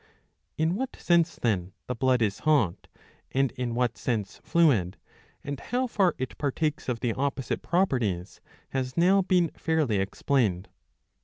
In what sense, then, the blood is hot and in what sense fluid, and how far it partakes of the opposite properties, has now been fairly explained.